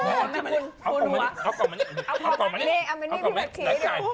น่ะเอามานี่เอาออกมานี่เอาออกมานี่เอาออกมานี่